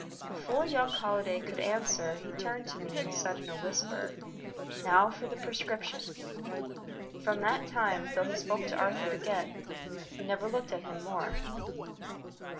Before young Holliday could answer he turned to me, and said in a whisper: "Now for the prescription." From that time, though he spoke to Arthur again, he never looked at him more.